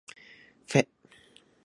ふぇ